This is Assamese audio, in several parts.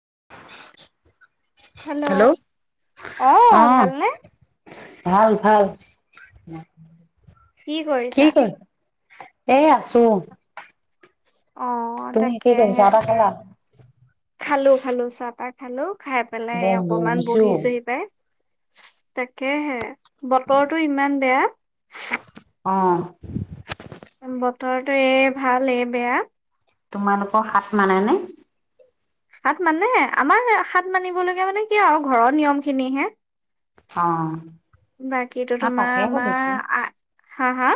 [unintelligible] হেল্ল, ' অহ অ ভালনে? ভাল ভাল। কি কৰিছা? এ আছো। [unintelligible] অ তুমি কি কৰি তাকেহে, চাহ তাহ খালা খালো খালো চাহপাত। হেল্ল'? খাই পেলাই অকমান বহিছো বহিছোহি পাই। তাকেহে বতৰটো ইমান বেয়া। অহ। বতৰটো এ ভাল, এ বেয়া। তোমালোকৰ হাট মানে নে? হাট মানেহে আমাৰ হাট মানিবলৈকে মানে কি আৰু ঘৰৰ নিয়ম খিনিহে। অ বাকীটো মই তোমাৰ তাকে আমাৰ সুধিছো আহ হা হা?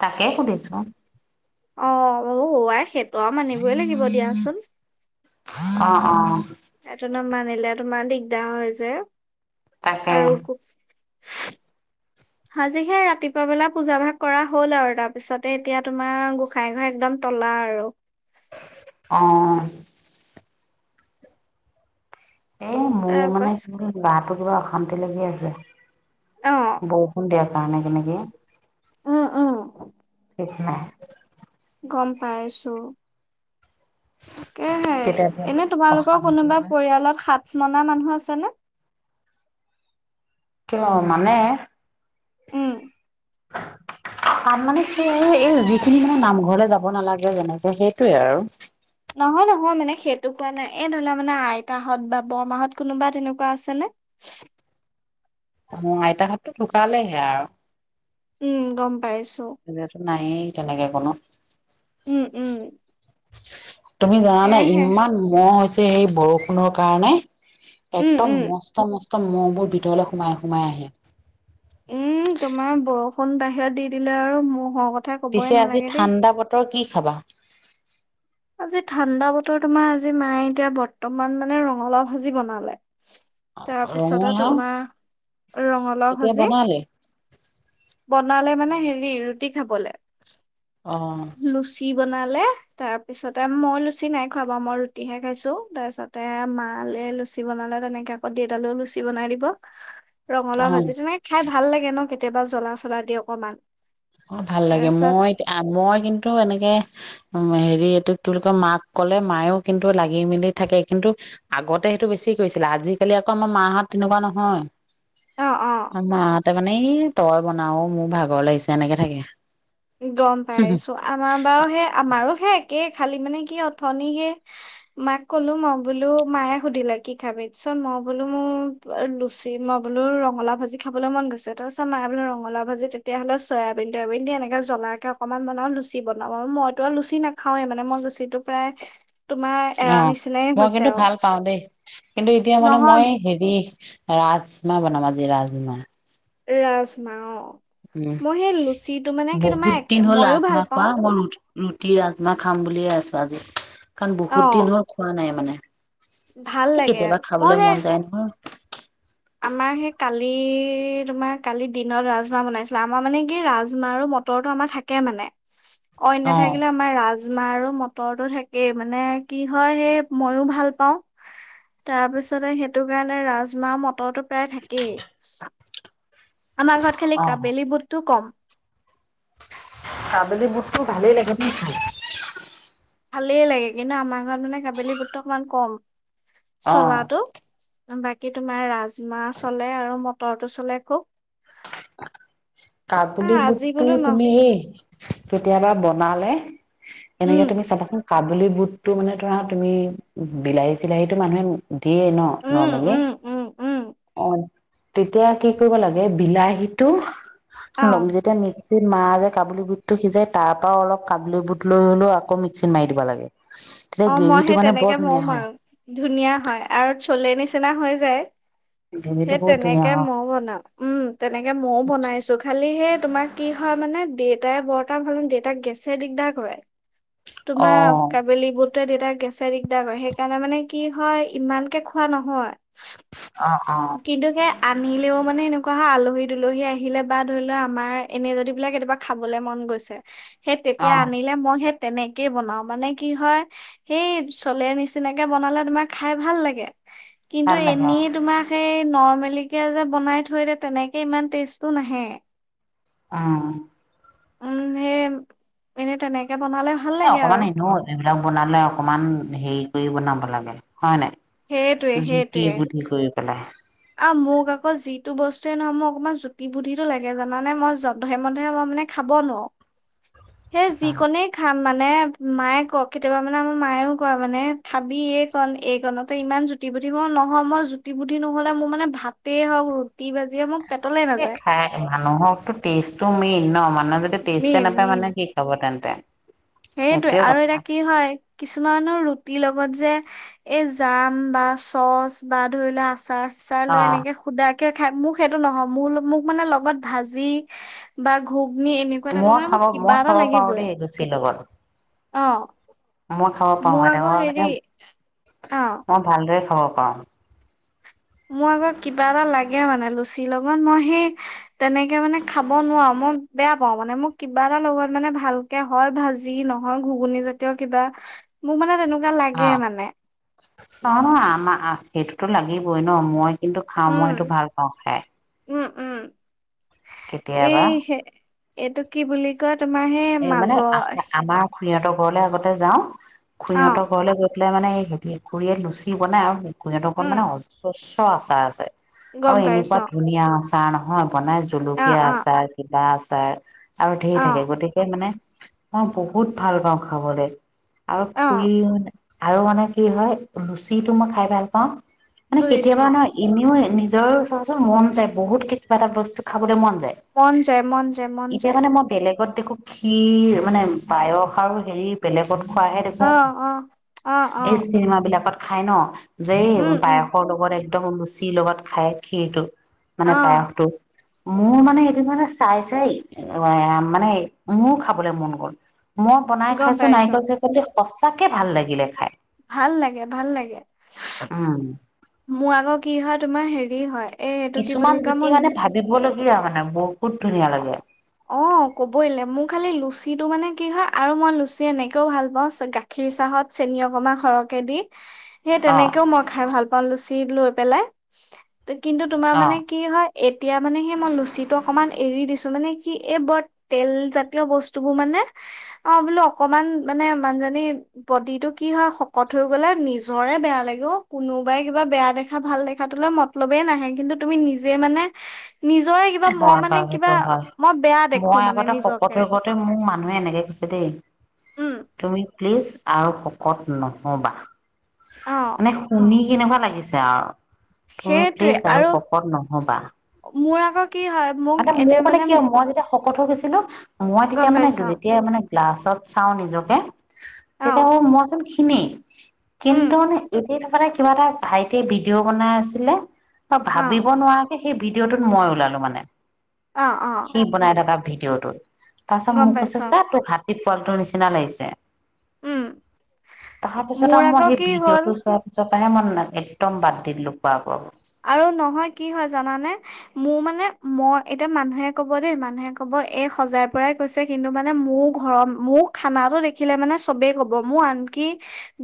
তাকে সুধিছো। অ ব বৱাই খে ত মানিবই লাগিব দিয়াচোন। অ অ এটা ন মানিলে তোমাৰ দিগদাৰ হয় যে। তাকে আৰু আজি হে ৰাতিপুৱা বেলা পূজা ভাগ কৰা হ'ল আৰু তাৰ পিছতে এতিয়া তোমাৰ গোসাই ঘৰ একদম তলা আৰু। অ'। এ মোৰ মানে তাৰপাছ কিনো দাত টো কিবা অশান্তি লাগি আছে। অ বৰষুণ দিয়াৰ কাৰণে কে নেকি? অ অ। ঠিক নাই। গম পাইছো। তাকেহে, কেতিয়াবা এনে তোমালোকৰ অশান্তি কোনোবা হয় পৰিয়ালত সাত মনা মানুহ আছেনে? কিয় মানে উম। কাম মানে কি আৰু এই যিখিনি মানে নামঘৰলে যাব নালাগে যেনেকে সেইটোয়ে আৰু। নহয় নহয় মানে সেইটো কোৱা নাই। এই ধৰি লোৱা মানে আইতাহত বা বৰমাহত কোনোবা তেনেকুৱা আছেনে? অ আইতাহতো ঢোকালে হেয়া। উম গম পাইছ [unintelligible] নায়েই তেনেকে কোনো। উম উম তুমি জানানে এহে ইমান মহ হৈছ এই বৰষুণৰ কাৰণে উম একদম উম মস্ত মস- ত মহবোৰ ভিতৰলৈ সোমাই সোমাই আহে। উম তোমাৰ বৰষুণ বাহিৰত দি দিলে আৰু ম'হ সোমোৱা কথ পিছে আজি ঠাণ্ডা বতৰ কি খাবা? আজি ঠাণ্ডা বতৰ তোমাৰ আজি মায়ে এতিয়া বৰ্তমান মানে ৰঙালাও ভাজি বনালে। তাৰপিছতে ৰঙালাও তোমাৰ ৰঙালাও এতিয়া ভাজি বনালে বনালে মানে হেৰি ৰু টি খাবলে। অ লুচি বনালে তাৰ পিছতে মই লুচি নাই খুৱাবা অ মই ৰুটিহে খাইছো, তাৰপিছতে মালে লুচি বনালে তেনেকে আকৌ দেউতালৈও লুচি বনাই দিব। অ ৰঙালাও ভাজি তেনেকে খাই ভাল লাগে ন কে কেতিয়াবা জ্বলা চলা দি অকণমান। অ ভাল লাগে, মই আ মই কিন্তু টো এনেকে উ হেৰি এইটো তোকে মাক ক'লে মায়ও কিন্তু লাগি মেলি থাকে কিন্তু আগতে সেইটো বেছি কৰিছিলে আজিকালি আকৌ আমাৰ মাহঁত তেনেকুৱা নহয় অ অ আমা হতে মানে এনেই তই বনাও মোৰ ভাগৰ লাগিছে তেনেকে থাকে গম পাইছো আমাৰ বাওঁ সেই আমাৰো সে এ খালি মানে কি অথনি হে মাক ক'লো মই বোলো মায়ে সুধিলে কি খাবি পিছত মই বোলো মোৰ লুচি মই বোলো ৰঙলা ভাজি খাবলৈ মন গৈছে তাৰপিছত মায়ে বোলো ৰঙালা ভাজি তেতিয়া হ'লে চয়াবিন তয়াবিন দ এনেকা জ্বলাকে অকনমান বনা লুচি বনাওঁ আৰু মইতো আৰু লুচি নাখাঁওৱেই মানে মই লুচি টো প্ৰায় তোমাৰ এৰা অ নিচিনাই মই হৈছে কিন্তু আৰু ভাল পাওঁ দেই কিন্তু এতিয়া মানে নহয় মই হেৰি ৰাজমাহ বনাম আজি ৰাজমাহ ৰাজমা অ উম মই সেই লুচিটো মানে কি তোমাৰ বহুত একে- দিন হ'ল মইয়ো ভাল ৰাজমাহ খোৱা পাওঁ হল অকল ৰুটি ৰুটি ৰাজমাহ খাম বুলিয়ে আছো আজি কাৰণ অ বহুত দিন হ'ল খোৱা নাই মানে ভাল এই লাগে কেতিয়াবা মই খাবলৈ হে মন যায় নহয় আমাৰ সেই কালি তোমাৰ কালি দিনত ৰাজমাহ বনাইছিলা আমাৰ মানে কি ৰাজমাহ আৰু মটৰটো আমাৰ থাকে মানে অন্য অ থাকিলে আমাৰ ৰাজ ৰাজমাহ আৰু মটৰটো থাকেই মানে কি হয় সেই মইও ভাল পাওঁ তাৰপিছতে সেইটো কাৰণে ৰাজমাহ মটৰ মটৰ তো প্ৰায় থাকেই আমাৰ ঘৰত খালি অ কাবেলী বোদতো কম কাবেলি বুটটো ভালেই লাগে বুজিছে ভালেই লাগে কিন্তু আমাৰ ঘৰত মানে কাবেলি বুটটো অকণমান কম অ চলাটো বাকী তোমাৰ ৰাজমাহ চলে আৰু মটৰটো চলে খুব আহ কাবুলি আজি বুটটো বোলো ন তুমি এই কেতিয়াবা বনালে এনেকে উম তুমি চাবাচোন কাবুলী বুটটো মানে ধোৰা তুমি বিলাহী চিলাহীটো মানুহে দিয়ে ন উম নমেলি উম উম উম অ তেতিয়া কি কৰিব লাগে বিলাহীটো অ ল'ম যেতিয়া নি মিক্সিত মাৰা যে কাবুলী বুটটো সিজাই তাৰ পৰা অলপ কাবুলী বুট লৈ হলেও আকৌ মিক্সিত মাৰি দিব লাগে তেতিয়া অ মই গ্ৰেভিটো সে মানে বৰ তেনেকে মৌ ধুনীয়া হয় মাৰো‌ আৰু ধুনীয়া হয় আৰু চলে নিচিনা নিচনা হৈ যায় গ্ৰেভিটো সেই বহুত ধুনীয়া তেনেকে হয় মই বনাম উম তেনেকে মইও বনাইছো খালি সেই তোমাৰ কি হয় মানে দেউতাই বৰ্তটা ভাল দেউতাক গেছে দিগদাৰ কৰে। অ তোমাৰ কাবেলি বোত। তে দেউতাক গেছে দিগদাৰ কৰে সেইকাৰণে মানে কি হয় ইমানকে খোৱা নহয়। অ অ। কিন্তু সেই আনিলেও মানে এনেকুৱা হয় আলহী দুলহী আহিলে বা ধৰি লোৱা আমাৰ এনে যদি বোলে কেতিয়াবা খাবলে মন গৈছে। সেই অ তেতিয়া আনিলে মই সেই। তেনেকেই বনাও মানে কি হয় সেই চলে নিচিনাকে বনালে তোমাৰ খাই ভাল লাগে। কিন্তু ভাল লাগে অ এনেয়ে তোমাক। সেই নৰমেলিকিয় যে বনাই থৈ দে তেনেকে ইমান টেষ্টটো নাহে। অ। উম সেই এনেই তেনে। এ অকমান এনেও এইবিলাক বনালে অকমান হেৰি। গ বনাব লাগে। হোৱা নাই সেইটোৱে জুতি সেইটোৱে। বুদ্ধি কৰিব। তেলে। মোক আকৌ যিটো বস্তুৱে নহয় মোক অকমান জুতি বুটিটো লাগে জানে মই যধে মধে মই মানে খাব নোৱাৰো। সেই যিকোনে খাম। মানে মায়ে কওক কেতিয়াবা মানে আমাৰ মায়েও কোৱা মানে থাবি এই কন এই কণতে ইমান জুতি বুদ্ধি মই নহওঁ মই জুতি বুদ্ধি নহল। মোৰ মানে ভাতেই হওক ৰুটি বাজিয়ে মোক। এ খাই মানুহকো টেষ্ট। মেনড। আপোনাৰ যদি টেষ্টে নাপায় মানে কি খাব তেন্তে। সেইটয়ে সেইটোয়ে আৰু কথা এতিয়া কি হয় কিছুমানৰ ৰুটিৰ লগত যে। এই জাম বা চচ বা ধৰি লোৱা আছে। চাহ চাহ অ লৈ এনেকে সুধাক। খাই মোক সেইটো নহয় মোৰ মোক মানে লগত ভাজি বা ঘ। মই খাব মই খাব পাৰো দেই লুচিৰ লগত। অ মই খাব মোৰ পাৰোতে আকৌ ম হেৰি অ মই ভালদৰে। অ মা। মোৰ আগৌ কিবা এটা লাগে মানে লুচিৰ লগত মই সেই তেনেকে মানে খাব নোৱাৰো মই বেয়া পাও মানে মোক কিবা এটা লগত মানে ভালকে হয় ভাজি নহয় ঘুগুন জাতীয় কিবা মোক মানে তেনেকুৱা। কিবা লাগে মানে। নহ নহ আমাৰ সেইটোতো লাগিবই ন মই। কিন্তু খাওঁ উম মইতটো ভাল পাওঁ খাই উম উম কেতিয়াবা। এই সে এইটো কি বুলি ক'য়। তোমাৰ সে মাজৰ। সিহঁতৰ ঘৰলে আগতে যাওঁ অ খুৰীহঁতক ঘৰলে গলো বোলে মানে খুৰীয়ে লুচি বনাই আৰু স খুৰীহঁতৰ ওপৰত উম মানে অজচ্চ আচাৰ আছে অ গম এনেকুৱা পাইছো ধুনীয়া আছে চণহ [unintelligible] বনাই অ জুলকীয়া অ আচাৰ কিবা আ তাই আৰু ধেই অ থাকে গতিকে মানে মই বহুত ভাল পাওঁ খাবলৈ আৰু অ ধুলিলে মানে আৰু মানে কি হয় লুচিটো মই খাই ভাল পাওঁ মানে বুজিছো কেতিয়াবা নহ এনেও নিজৰ ওৰচৰত মন যায় বহুত কিবা এটা বস্তু খাবলৈ মন যায় মন যায় মন যায় মন যায় ব দে [unintelligible] সি মানে পায়স আৰু হেৰি বেলেগত খোৱাহে দেখো অ অ অ অ এই চিনেমাত বিলাকত খাই ন যে উম এইবোৰ উম পায়সৰ লগত একদম লুচিৰ লগত খায় খীৰটো মানে অ পায়সটো মোৰ মানে এইটো মানে চাই চাই মানে মোৰো খাবলৈ মন গ'ল মই বনাই গম খাইছো পাইছো নাৰিকল চাৰিকল দি সঁচাকে ভাল লাগিলে খাই ভাল লাগে ভাল লাগে উও মোৰ আকৌ কি হয় তোমাৰ হেৰি হয় এই এইটো কি কিছুমান বুলি কয় জুতি মই মানে ভাবিবলগীয়া মানে আকৌ অ কবলে মোক খালি লুচিটো মানে কি হয় আৰু মই লুচি এনেকৈও ভাল পাওঁ গাখীৰ চাহত চেনি অকমা সৰহকৈ দি সেই অ তেনেকেও মই খাই ভাল পাওঁ অ লুচি লৈ পেলাই কিন্তু তোমাৰ অ মানে কি হয় এতিয়া মানে সেই মই লুচিটো অকণমান এৰি দিছো মানে কি এই বৰ তেলজাতীয় বস্তুবোৰ মানে অ বোলো অকমান মানে মানুজনি বডি টো কি হয়। শকত হৈ গলে নিজৰে বেয়া লাগে অ কোনোবাই কিবা বেয়া দেখা ভাল দেখাটোলে মতলবেই নাহে কিন্তু তুমি নিজে মানে নিজৰে কিবা ম মানে বাৰু হয় সেইটো হয় মই বেয়া দেখো মই মানে আগতে শকত নিজকে শকতে মোৰ মানুহে এনেকে কৈছে দেই উম তুমি প্লিজ আৰু শকত নহ'বা। অ মানে শুনি কেনেকুৱা লাগিছে আৰ তুমি প্লিজ আৰু শকত নহ'বা। মোৰ আকৌ কি হয় মোক মানে মোৰ এতিয়া মানে কি মই যেতিয়া শকত হৈ গৈছিলো মই গম তেতিয়া মানে পাইছ যেতিয়া মানে ক্লাছত চাওঁ নিজকে তেইতিয়া অ মইচোন খি- ক্ষিণেই উম, কিন্তু ইট- সেই থকাতে কিবা এটা ভাইতিয়ে ভিডিঅ' বনাই আছিলে ত অ', ভাবিব নোৱাৰাকে সে ভিডিঅটোত মই ওলালোঁ মানে। অ', অ', সি বনাই থকা ভিড- ভিঅটোত তাৰপিছত গম মোক কৈছে পাইছো চা অ', তো হাত- পোৱালিটোৰ নিচিনা লাগিছে। উম, তাৰপিছত মোৰ আৰু আকৌ মই সেই কি হ'ল ভিডিঅ'টো চোৱাৰ পিছত কিবাহে মন না একদম বাদ দিলোঁ বা কৰ। আৰু নহয় কি হয় জানানে মোৰ মানে মই এতিয়া মানুহে কব দেই। মানুহে কব এই সজাই পৰাই কৈছে। কিন্তু মানে মোৰ ঘৰৰ মোৰ খানা দেখিলে মানে চবেই কব মোৰ আনকি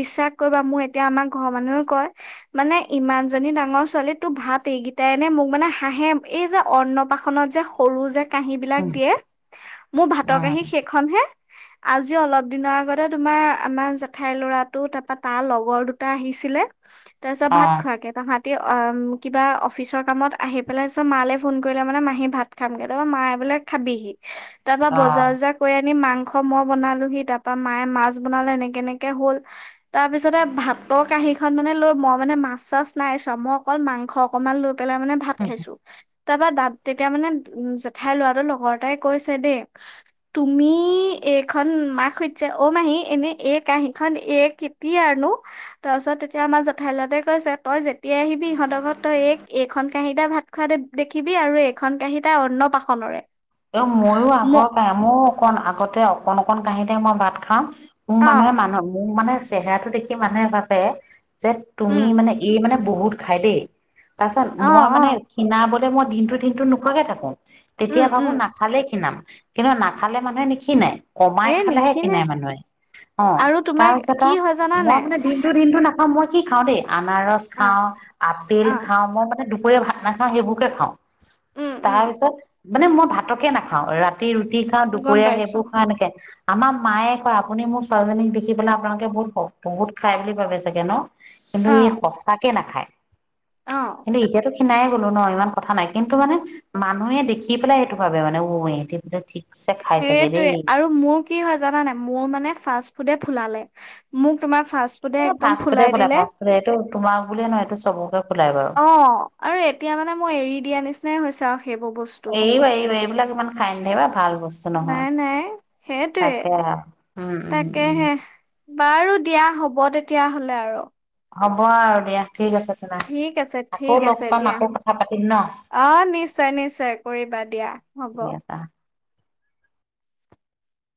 বিশ্বাস কৰিবা মোৰ এতিয়া আমাক ঘৰৰ মানুহে কয় মানে ইমান জনী ডাঙৰ- ছোৱালী তো ভাত এইকেইটাইনে মোক মানে হাঁহে এই যে অন্নপাশনত যে সৰু যে কাহি বিলাক উম, দিয়ে মোৰ ভাতৰ কাহি উম, সেইখন হে আজি অলপ দিনৰ আগতে তোমাৰ আমাৰ জেঠাইৰ ল'ৰাটো তাৰপা তাৰ লগৰ দুটা আহিছিলে তাৰপিছত ভাত অ', খোৱাকে তাহাত। ওম কিবা অফিচৰ কামত আহি পেলাই তছত মালৈ ফোন কৰিলে। মানে মাহী ভাত খামগৈ তাৰপৰা মে বোলে খাবিহি। তাৰপা অ', বজাৰ উম। জাৰ কৰি আ- নি মাংস মই বনালো তাপা মায়ে মাছ বনালো এনেকে এনেকে হ'ল। তাৰ পিছতে ভাতৰ কাহি খন মানে লৈ মই মানে মাছ চাছ নাই কাম অকল মাংস অকনমান ল পেলাই মানে ভাত খাইছো তাৰপা দাত তে তেতিয়া মানে উ জেঠাই লৰাটোৰ লগৰটাই কৈছে দেই তুমি এইখন মাক সুধছে অ মাহী এনে এ কাঁহীখন এ কেতিয়া আৰুনো তাৰপাছত তেতিয়া আমাক জেঠাই লৰাটাই কৈছে তই এতিয়া আহিবি ইহঁতৰ ঘত তই এক এইখন কাঁহিতে ভাত খোৱা দেখিবি আৰু এখন কাঁহিতে অন্ন পাশনৰে এ মইয়ো আগৰ পাই মৌ অকণ আগতে অকন অকণ কাঁহীতে মই ভাত খাম মোৰ অ মানুহে মান মোৰ মানে চেহেৰাটো দেখি মানুহে ভাবে যে তুমি উম মানে এই মানে বহুত খাই দেই তাৰ পিছত অ মই অ মানে খীণা বলি যে মই দিনটো দিনটো নোখুৱাকে থাকো তেতিয়া উম কথাবোৰ উম নাখালে খিনাম কিন্তু নাখালে মানুহে নিখিনাই কমাই এ খালেহে নিখিনে খিনাই মানুহে অ আৰু তোমাৰ তাৰপিছত কি আ হয় জানানে মই মানে দিনতটো দিনতটো নাখাওঁ মই কি খাওঁ দেই আনাৰস অ খাওঁ আপেল অ খাওঁ মই মানে দুখ পৰীয়া ভাত নাওঁ সেইবোৰকে খাওঁ উম উম তাৰ পিছত। মানে মই ভাতকে নাখাওঁ ৰা ৰাতি ৰুটি খাওঁ গম দুপৰীয়া পাইছো সেইবোৰ খা নেকে আমাৰ মায়ে কয় আপুনি মোৰ ছোৱালীজনীক দেখি পেলাই আপোনালোকে বহুত বহুত খাই বুলি ভাবে চাগে ন কিন্তু অ ই সচাকে নাখায় অ কিন্তু এতিয়াতো খিনাই গলো ন ইমান কথা নাই কিন্তু মানে মানুহে দেখি কি পেলাই সেইটো ভাবে মানে অ এহেতি ঠিক সেইটোৱে আৰু মোৰ কি হয় জানা নাই মোৰ মানে ফাষ্ট ফুডে ফুলালে মোক তোমাক এ ভাস্কুতে ফুলে ফাস্ক ফুডে এইটো তোমাক বুলিয়ে নহয় এইটো চবকে ফুলাই বাৰু অ আৰু এতিয়া মানে মই এৰি দিয়া নিচিনাই হৈছে আও এইবা এইব এইবিলাক ইমান খাই নাথাকিবা ভাল বস্তু নহয় নাই নাই সেইটোৱে তাকে আৰু উম উম উম তাকেহে বাৰু দিয়া হ'ব তেতিয়া হলেড়্য হ'ব আৰু হ'ব আৰু দিয়া ঠিক আছে তেনে ঠিক আছে আকৌ ঠিক লগ আছে পাম দিয়া, আকৌ কথা পাতিম ন। অ নিশ্চয় নিশ্চয় কৰিবা দিয়া হ'ব। ঠিক আছে।